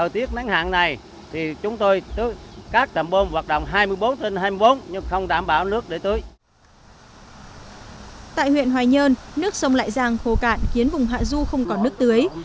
tại huyện hoài nhơn nước sông lại giang khô cạn khiến vùng hạ du không còn nước tưới